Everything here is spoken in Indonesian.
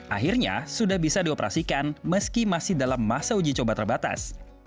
akhirnya sudah bisa dioperasikan meski masih dalam masa uji coba terbatas